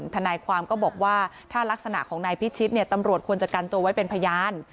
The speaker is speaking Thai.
ทนายความก็บอกว่าถ้ารักษณะของนายพิชิตตำรวจควรจะกันตัวไว้เป็นพยาน